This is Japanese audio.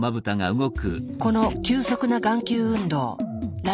この急速な眼球運動。